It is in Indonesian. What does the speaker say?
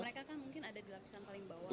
mereka kan mungkin ada di lapisan paling bawah